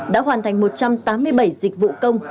đã hoàn thành một trăm tám mươi bảy dịch vụ công